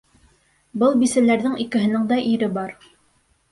Был бисәләрҙең икеһенең дә ире бар.